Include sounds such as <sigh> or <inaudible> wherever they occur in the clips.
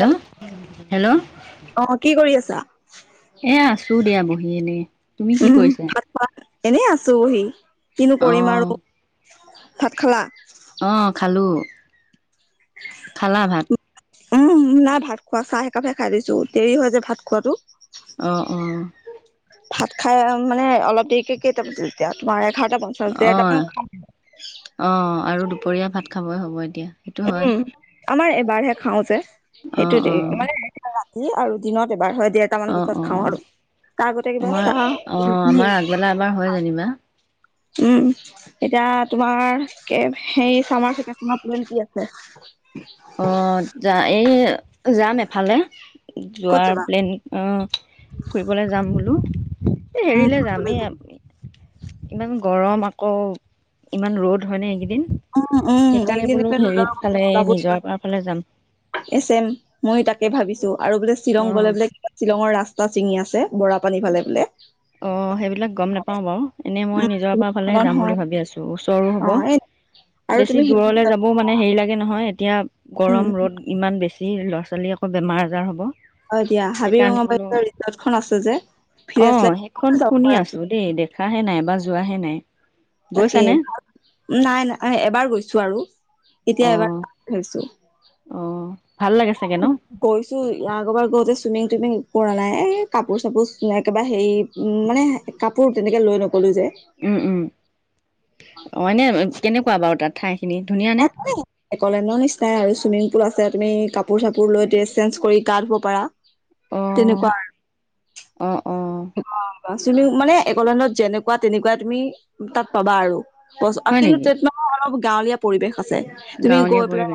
হেল hello অ কি কৰি আছা? এ আছো দিয়া বহি এনেই। তুমি কি উম কৰিছা? ভাত খোৱা এনেই আছোহি কিনো কৰিম অঁ আৰু। ভাত খালা? অহ খালো। খালা ভাত? উম নাই ভাত খোৱা চাহ একাপেহে খাই দিছো, দেৰি হয় যে ভাত খোৱাটো। অ অ। ভাত খাই মানে অলপ দেৰিকে কেইটা বাজিল এতিয়া তোমাৰ এঘাৰটা পঞ্চাশ অ দেৰটা মানত অ আৰু দুপৰীয়া ভাত খাবই হ'ব এতিয়া সেইটো হয় উম আমাৰ এবাৰহে খাও যে অঁ সেইটোতে অঁ মানে ৰাতি আৰু দিনত এবাৰ হয় দেৰটা মান অঁ বজাত খাও অঁ আৰু৷ তাৰ আগতে কিবা আমাৰ চাহ অঁ ঘোগুনী আমাৰ আগবেলা এবাৰ হয় খাও যেনিবা <unintelligible> উম এতিয়া তোমাৰ কে সেই চামাৰ ভিকেচনত তোমাৰ প্লেন কি আছে ছে অ যা এই যাম এফালে ক'ত যোৱাৰ যাবা প্লেন অ ফুৰিবলৈ যাম বোলো৷ এ উম হেৰিলে যাম ফুৰিবলৈ এয়াত ইমান গৰম আকৌ ইমান ৰ'দ হয় নে এইকেইদি উম উম এইকেইদিন একে ৰদৰ কাৰণে ফালে কতো যাবই নিজৰ পৰা ফালে যাম। নোৱাৰি এচেম ময়ো তাকে ভাবিছো আৰু বোলে শ্বিলং অ'। গলে বোলে কিবা শ্বিলঙৰ ৰাস্তা টা চিঙি আছে বৰা পানী ফালে বোলে অ সেইবিলাক গম নেপাও বাৰু এনেই মই উম নিজৰাপৰা ফালেহে সাধন যাম হয় বুলি ভাবি আছো ওচ চৰো অ হব এই আৰু তুমি বেছি দূৰলে যাবও মানে হেৰি লাগে নহয় এতিয়া উম গৰম ৰ'দ ইমান বেছি ল'ৰা ছোৱালী আকৌ বেমাৰ আজাৰ হ'ব অ দিয়া হাবিৰ সেইকাৰণে বোলো ৰঙাবাটৰ ৰিজৰ্টখন আছে যে ভিৰ আছিলে খন শুনি আছো দেই দেখাহে নাই বা যোৱাহে নাই তাকে গৈছানে? নাই নাই এবাৰ গৈছো আৰু এতিয়া অ', এবাৰ গৈছো অ ভাল লাগে চাগে ন? গৈছো ই আগৰবাৰ যাওতে চুইমিং টুইমিং কৰা নাই এ কাপোৰ চাপোৰ একেবাৰে হেৰি উ মানে কাপোৰ তেনেকে লৈ নো কলো যে উম, উম। অ এনে কেনেকোৱা বাৰু তাত ঠাই? তাত মানে একলেনৰ নিচিনাই আৰু চুইমিং স্কুল আছে তুমি কাপোৰ চাপোৰ লৈ ড্ৰেছ চেঞ্জ কৰি গা ধুব পাৰা অ', তেনেকোৱা অ', অ', আৰু অঁ তুমি মানে একলনত যেনেকোৱা তেনেকোৱা তুমি তাত পাবা আৰু হয় কিন্তু নেকি তাত নহয় অলপ গাঁৱলীয়া পৰিৱেশ আছে তুমি গাঁৱলীয়া গৈ পেলাই পৰিৱেশ।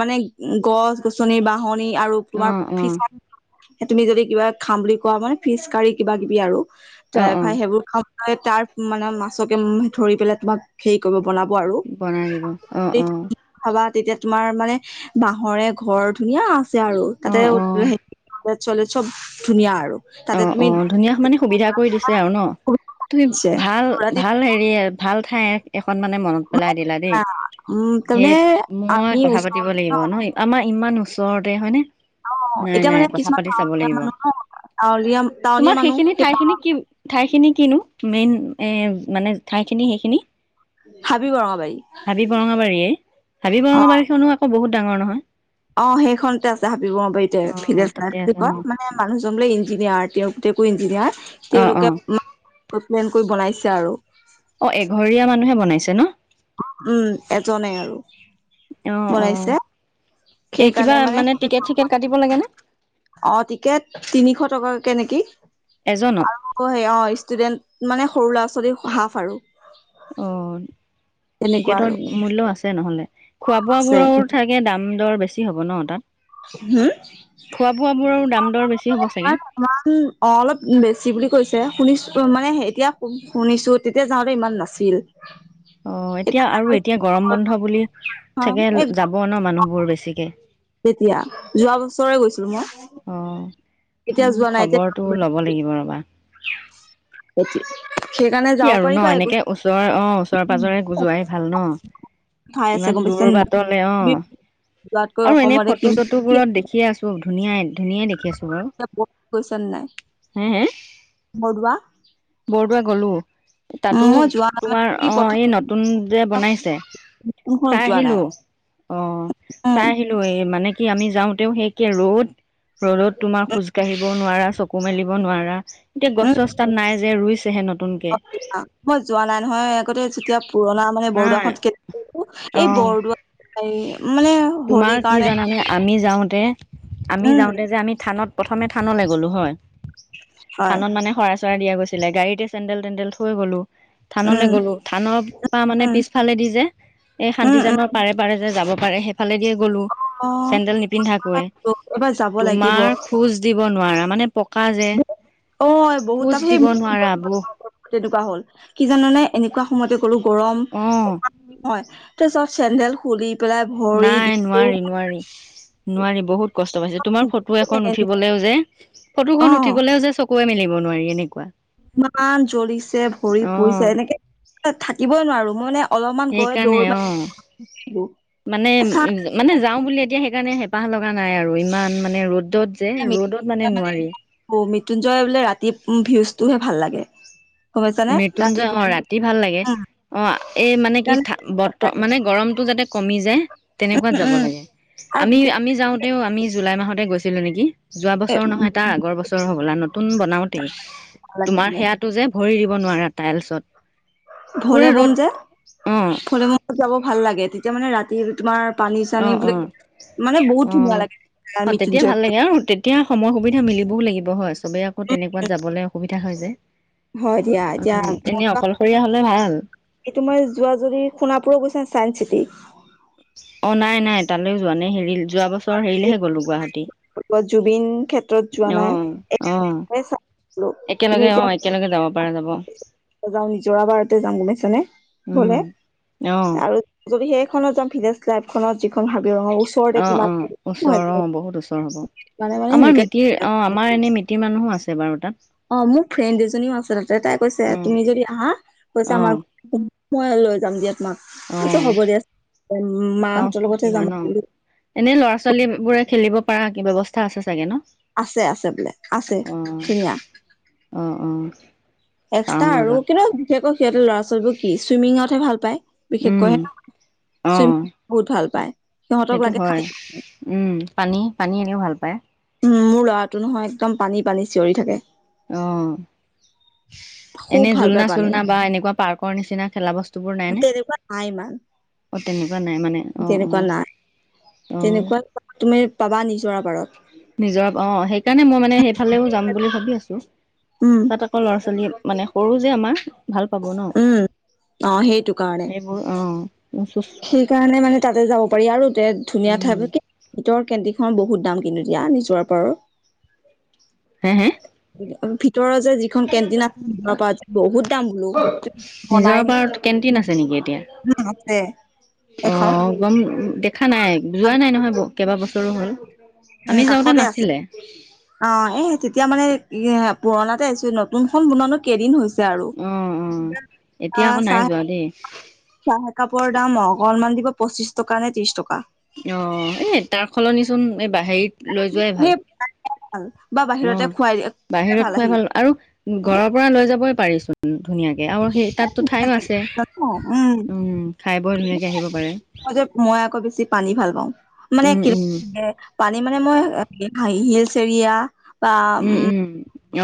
মানে গছ গছনি বাহনি আৰু তোমাৰ অ', অ', ফিচাৰ তুমি যদি কিবা খাম বুলি কোৱা মানে ফিচ কাৰি কিবা কিবি আৰু অ', ড্ৰাই ফাই অ', সেইবোৰ খাম তাৰ মানে মাছকে ধৰি পেলাই তোমাক হেৰি কৰিব বনাব আৰু বনাই দিব অ', এই অ', <unintelligible> তেতিয়া তোমাৰ মানে বাঁহৰে ঘৰ ধুনীয়া আছে আৰু তাতে অ', অ', হে চ চলে চব ধুনীয়া আৰু তাতে অ', অ তুমি ধুনীয়া মানে সুবিধা কৰি দিছে আৰু ন তুমি ভাল ভাল হেৰি আ ভাল অকল ঠায়ে থাকে অকন মানে মনত পেলাই দিলা দেই উম সেই তাৰমানে মই আমি কথা পাতিব ওচৰত লাগিব ন আমাৰ ইমান ইমান ওচৰতে হয়নে অ নাই এতিয়া নাই মানে কথা কিছুমান পাতি চাব গাঁৱলীয়া লাগিব মানুহ ন গাঁৱলীয়া টাউনীয়া তোমাৰ মানুহ সেইখিনি সেই ঠাই খিনি কি ঠাইখিনি কিনো মেইন এ মানে ঠাইখিনি সেইখিনি হাবি বৰঙাবাৰী হাবি বৰঙাবাৰীয়ে হাবি অ বৰঙাবাৰী খনো আকৌ বহুত ডাঙৰ নহয় অ সেইখনতে আছে হাবি বঙৰাবাৰীতে ফি অ', চাই তাতে বুলি আছে ন কয় মানে মানুহজন বোলে ইনজি ইঞ্জিনিয়াৰ তেওঁ পুতেকো ইঞ্জিনিয়াৰ অ', তেওঁলোক অ', <unintelligible> প্লেন কৰি বনাইছে আৰু অ', এঘৰীয়া মানুহে বনাইছে ন উম এজনে আৰু অ', অ', বনাইছে এ কিবা মানে টিকেট চিকেট কাটিব লাগে নে অ টিকেট তিনিশ টকাকে নেকি৷ এজনত। আৰু সে অ ষ্টুডেন্ট মানে সৰু ল'ৰা ছোৱালী হাফ আৰু। অ তেনেকুৱা আৰু টিকেটৰ মূল্যও আছে নহ'লে। খোৱা আছে বোৱাবোৰৰ থাগে দাম দৰ বেছি হ'ব ন তাত। খোৱা বোৱা বোৰৰ দা- <unintelligible> ইমান অলপ বেছি বুলি কৈছে শুনিছ- মানে এতিয়া শুনিছোঁ তেতিয়া যাওঁতে ইমান নাছিল। অ এতিয়া আৰু এতিয়া গৰম বন্ধ বুলি চাগে এই যাব ন মানুহবোৰ বেছিকে। তেতিয়া যোৱা বছৰে গৈছিলোঁ অ'। মই। এতিয়া উম যোৱা নাই এতিয়া খবৰটো ল'ব লাগিব ৰবা। এতি কি আৰু ন এনেকে ওচৰ অ ওচৰেৰে পাজৰে গু যোৱাই ভাল ন। ঠাই আছে ইমান গম পাইছা দূৰ নাই বাটলে অ যোৱাতকৈ আৰু এনেই অসমতে কি ফটো চটো কি আছে বোৰত দেখিয়ে আছোঁ ধুনীয়াই। ধুনীয়াই দেখি আছোঁ বাৰু গৈছা নাই হে হে বৰদোৱা বৰদোৱা গলোঁ। তাতো মই যোৱা নাই মানে তোমাৰ কি অ প্ৰথম এই নতুন যে বনাইছে। কোনখনত চাই যোৱা নাই আহিলোঁ অ উম চাই আহিলোঁ এই মানে কি আমি যাওঁতেও সে একে ৰ'দ ৰ'দত তোমাৰ খোজকাঢ়িব নোৱাৰা চকু মেলিব নোৱাৰা এতিয়া গছ উম চছ তাত নাই যে ৰুইছেহে নতুনকে। মই যোৱা নাই নহয় আগতে যেতিয়া পুৰণা মানে নাই বৰদোৱাখন কেত অ এই বৰদোৱা মানে তোমাৰ হৰি কি কাৰণে- জানানে আমি যাওঁতে আমি উম যাওঁতে যে আমি থানত প্ৰথমে থানলে গলোঁ হয় হয় থানত মানে শৰাই চ চৰাই দিয়া গৈছিলে গাড়ীতে চেন্দেল তেন্দেল থৈ গ'লো থানলে উম গ'লো থানৰ পৰা মানে উম পিছফালে দি যে এই উম উম শান্তিজনৰ পাৰে পাৰে যে যাব- ফালে দিয়ে গ'লো অ চেন্দেল নিপিন্ধাকৈয়ে অ', এবাৰ যাব লাগিব তোমাৰ খোজ দিব নোৱাৰা। মানে পকা যে অ বহুত তাৰ খোজ সেই দিব নোৱাৰা আবৌ। তেনেকুৱা হ'ল কি জানা নে এনেকুৱা সময়তে গলোঁ গৰম অ হয়। চব চেণ্ডেল খুলি পেলাই ভৰি নাই দিছো নোৱাৰি নোৱাৰি নোৱাৰি বহুত কষ্ট পাইছে তোমাৰ ফটো এখন উঠিবলেও যে ফটোখন অ উঠিবলেও যে চকুৱে মেলিব নোৱাৰি এনেকুৱা। ইমান জ্বলিছে ভৰি অ পুৰিছে এনেকে থাকিবই নোৱাৰোঁ মই মানে। অলপমান গৈ সেইকাৰণে দৌৰ অ মাৰি আহিলো মানে চা মানে যাওঁ বুলি এতিয়া সেইকাৰণে। পাহ লগা নাই আৰু ইমান মানে ৰ'দত যে ৰ'দত মানে নোৱাৰি। মূত্যুঞ্জয় বোলে ৰাতি ভিউজটোহে ভাল লাগে। গম পাইছানে ৰাতি মৃত্যুঞ্জয় অ বোলে ৰাতি ভাল লাগে, উম অ এই মানে কি সেইকাৰণে ভাল বত লাগে। মানে গৰমতটো যাত- কমি যায় তেনেকুৱাত উম যাব উম, লাগে আৰু আমি বিশেষকে আমি যাওঁতেও আমি জুলাই মাহতে গৈছ ছিলোঁ নিকি? যোৱা বছৰ নহয় তাৰ আগৰ বছৰ হ'বলা নতুন বনাওতেই ভাল লাগে তোমাৰ বোলে সেয়াটো যে। ভৰি দিব নোৱাৰা টাইলছত। পুৰা ভলেবম ৰ'দ যে অ ভলেবোমত যাব ভাল লাগে তেতিয়া মানে ৰাতি তোমাৰ পানী চানী অহ বোলে অহ মানে বহুত ধুনীয়া অহ। লাগে অ তেতিয়া মৃত্যুঞ্জয় ভাল লাগে আৰু তেতিয়া সময় সুবিধা মিলিবও লাগিব হয়। চবে আকৌ তেনেকুৱাত যাবলে অসুবিধা এতিয়া হয় যে হয় উম এনেই অকলশৰীয়া হ'লে ভাল। এইটো মই যোৱা যদি সোণাপুৰা গৈছা চাইন্স চিটি। অ নাই নাই তালে যোৱা নে হেৰি যোৱা বছৰ হেৰিলেহে গলোঁ গুৱাহাটী। জুবিন ক্ষেত্ৰত যোৱা নাই অহ অহ চালো কিন্তু একেলগে অ একেলগে যাব পাৰা যাব। এতিয়া যাওঁ নিজৰাবাৰতে যাওঁ গম পাইছনে উম, গলে অ, আৰু যদি সেখ সেই খনত যাম ভিলেজ লাইফখনত যি অ অ ওচৰ অ বহুত ওচৰ হ'ব মানে মানে আমাৰ সেনেকে মিতিৰ অ আমাৰ এনেই মিতিৰ মানুহো আছে বাৰু তাত অ মোৰ ফ্ৰেণ্ড দুজনীও আছে তাতে তাই কৈছে অ, তুমি যদি আহা কৈছে অ, আমাৰ ঘ মই লৈ যাম দিয়া তোমাক অ, আচছা হ'ব দিয়া মাহঁতৰ চাওচোন কি লগতহে হয় যাম ন বোলো এনেই ল'ৰা ছোৱালী বোৰে খেলিব পাৰা কিব ব্যৱস্থা আছে চাগে ন আছে আছে বোলে আছে অ, ধুনীয়া অ, অ, চাও এক্সট্ৰা আৰু ৰবা কিন্তু বিশেষকৈ সিহঁৰ ল'ৰা ছোৱালীবোৰ কি চুইমিঙতহে ভাল পায় উম, বিশেষকৈহে অ চুইমিং বহুত ভাল পায় সিহঁতক সেইটো লাগে খালি হয় উম পানী পানী তেওঁ ভাল পায়। উ মোৰ ল'ৰাটো নহয় একদম পানী পানী চিঞৰি থাকে। অ খুব এনে ভাল পায় জুলনা পানী, চুলনা বা এনেকুৱা পাৰ্কৰ নিচিনা খেলা বস্ত- বস্তুবোৰ নাইনে তেনেকুৱা নাই ইমান অ তেনেকুৱা নাই মানে অ তেনেকুৱা অ। নাই অ তেনেকুৱা তুমি পাবা নিজৰা পাৰত। নিজৰ অ সেইকাৰণে মই মানে সেইফালেও যাম বুলি ভাবি আছোঁ। উম, তাত আকৌ ল'ৰা ছোৱালী মানে সৰু যে আমাৰ ভাল পাব ন উম অ সেইটো কাৰণে সেইবোৰ অ চুচ সেইকাৰণে মানে তাতে যাব পাৰি আৰু দে ধুনীয়া উম ঠাই কি ভিতৰ কে দী খন বহুত দাম কিন্তু এতিয়া নিজৰা পাৰৰ হে হে তোৰ যে যিখন কেণ্টিন <unintelligible> বহুত দাম বোলো, নিজৰ বনাই পাৰত নিয়া কেণ্টিন আছে নেকি এতিয়া। উম আছে। অ এখন গম দেখা নাই যোৱা নাই নহয় কেইবা বছৰো হ'ল। উম আমি যাওঁতে কাষতে আছে নাছিলে অ এ তেতিয়া মানে এ পুৰণাতে আহিছো নতুন খন বনোৱা নো কেইদিন হৈছ- আৰু অ', অ', এতিয়া আকৌ নাই চাহ যোৱা দেই চাহ কাপোৰৰ দাম অকণনমান দিব পঁচিশ টকা নে ত্ৰিশ টকা। অ এ তাৰ সলনিচোন এই বা হেৰিত লৈ যোৱাই সেই ভাল। ভাল বা অ বাহিৰতে খুৱাই দিয়ে বাহিৰত খুৱাই আহি ভাল আৰু ঘৰৰ পৰা লৈ যাবই পাৰে চোন। সি আৰু সেই তাতো ঠাইও আছে উম উম খাই বৰ ধুনীয়াকে আহিব পাৰে। ম যে মই আকৌ বেছি পানী ভাল পাওঁ মানে উম, কে- উম, এ পানী মানে মই হাঁহিয়ে চিৰিয়া পা ওম উম, উম,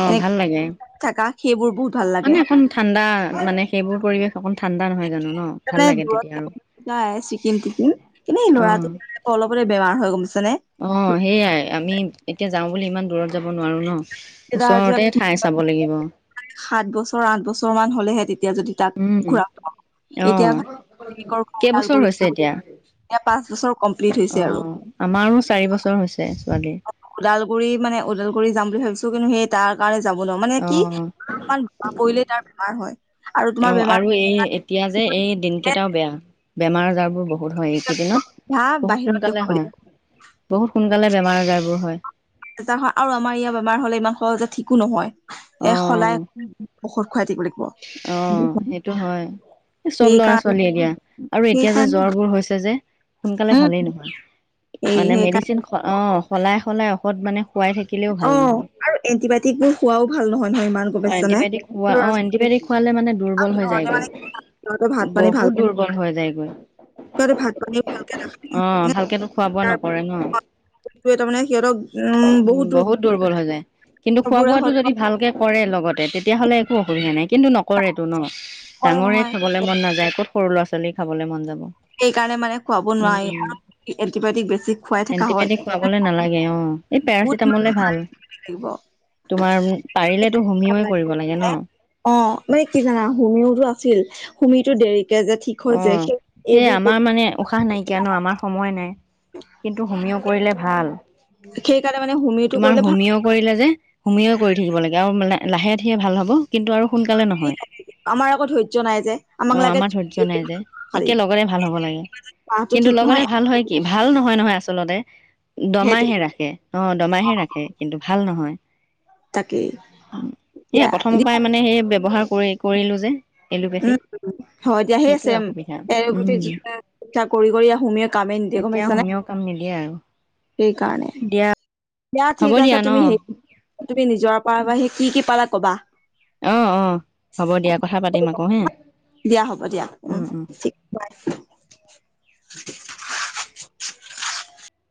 অ', এনে ভাল লাগে থকা সেইবোৰ বহুত ভাল লাগে মানে অকণ ঠাণ্ডা মানে সেইবোৰ পৰিৱেশ অকণ ঠাণ্ডা নহয় জানো ন ভাল তাৰমানে লাগে দূৰত তেতিয়া আৰু। যায় ছিকিম টিকিম কিন্তু এই অ। ল'ৰাটো অলপতে বেমাৰ হৈ গম- পাইছানে অ সেইয়াই আমি এতিয়া যাও বুলি ইমান দূৰত যাব নোৱাৰো ন। তাৰ যে ওচৰতে ঠাই চাব লাগিব। সাত বছৰ আঠ বছৰ মান হলেহে তেতিয়া যদি তাক ঘূৰা উম এতিয়া আহ ভাই কেইবছৰ ওদালগুৰি হৈছে যাম। এতিয়া? এতিয়া পাঁচ বছৰ কমপ্লিট হৈছে অ আৰু আমাৰো চাৰি বছৰ হৈছ- ওদালগুৰি মানে ওালগুৰি যাম বুলি ভাবিছোঁ কিন্তু সেই তাৰ কাৰণে যাব নোৱাৰো মানে কি অ', অমান পৰিলে তাৰ বেমাৰ হয় আৰু তোমাৰ অ', আৰু বেমাৰ এই এতিয়া যে এই দিনকেইটাও বেয়া। <unintelligible> বেমাৰ আজাৰ বোৰ বহুত হয় এইকেইদিনত, বহুত বাহিৰত সোনকালে দেখুৱাব হয়। লাগে বহুত সোনকালে বেমাৰ আজাৰবোৰ হয়। একো নহয় এ সলাই অ', <unintelligible> ঔষধ খুৱাই দিবলে। অ সেইটো হয়। চব ল'ৰা সেইকাৰণে ছোৱালী এতিয়া আৰু এতিয়া যে সেইকাৰণে জ্বৰবোৰ হৈছ- সোনকালে উম ভালেই নহয়। এই মানে সেইকাৰণে মেডিচিন অ সলাই সলাই ঔষধ মানে খুৱাই থাকি- অ আৰু এণ্টিবায়টিক বোৰ খোৱাও ভাল নহয়। নহয় ইমান গম অ পাইছানে এণ্টিবায়টিক খোৱা, অ ল'ৰা ছোৱালী এণ্টিবায়টিক খোৱালে মানে দুৰ্বল আৰু হৈ যায় সিহঁতে গে। মানে সিহঁতৰ ভাত পানী ভাল বহুত দুৰ্ব- ৰ্বল হৈ যায়গৈ। সিহঁতে ভাত পানী ভালকে অ ভালকেতো খোৱা বোৱা নকৰে ন। সেটোৱে তামানে সিহঁতক উম বহুত বহুত কৰি পেলায়। দুৰ্বল হৈ যায় কিন্তু খোৱা বোৰে বোৱাতটো হজম যদি ভালকে কৰে লগতে তেতিয়া হ'লে একো অসুবিধা নাই। কিন্তু নকৰেতো ন নকৰে ডাঙৰে নহয় খাবলে মন নাযায় ক'ত সৰু ল'ৰা ছোৱালী খাবলে মন যাব। সেইকাৰণে মানে খুৱাব নোৱাৰি উম অহ। এন্টিবায়টিক বেছি খুৱাই থকা হয়, এণ্টিবায়টিক খুৱাবলে নালাগে অ এই বহুত পেৰাচিটামলে কি ভাল লাগিব? তোমাৰ উম। অঁ, মানে কি জানা হুমিউটো আছিল হুমিওতো দেৰিকে যে ঠিক হৈ অ যায় সেই সেই এইবোৰ আমাৰ মানে উশাহ নাইকিয়া ন? আমাৰ সময় নাই কিন্তু হোমিঅ কৰিলে ভাল। সেইকাৰণে মানে হুমিটো তোমাৰ কৰিলে ভাল হোমিঅ কৰিলে যে হোমিও কৰি থাকিব লাগে আৰু লাহে ধিহে ভাল হ'ব। কিন্তু আৰু সোনকালে নহয়। আমাৰ আকৌ ধৈৰ্য্য নাই যে আমাক অঁ লাগে আমাৰ ধৰ্য জল্দি য্য জল্দি নাই ভাল যে খালি একে লগতে ভাল হ'ব লাগে, কাহটো কিন্তু ঠিক লগতে নহয় ভাল হয় কি ভাল নহয় নহয় আচ আচলতে সেইটো দমাইহে ৰাখে, অ দমাইহে ৰাখে কিন্তু ভাল নহয়। তাকেই দিয়া সেয়া প্ৰথম দিয়া পাই মানে সেই ব্যৱহাৰ কৰি কৰিলো যে এলোপেথি উম, হয় দিয়া সেই সেইটোৱে ছেম, অসুবিধা এ উম গোটেই জোতা কৰি কৰি আ হোমীওয়ে কামেই নিদিয়ে গম এতিয়া পাইছানে? হোমিও কাম নিদিয়ে আৰু সেই কাৰণে দিয়া এয়া হ'ব ঠিক আছে দিয়া ন তুমি সেই তুমি নিজৰ পৰা বা সেই কি কি পালা কবা। অঁ, অঁ, হ'ব দিয়া কথা পাতিম আ দিয়া হ'ব দিয়া। উম, থিক। <unintelligible> <inaudible>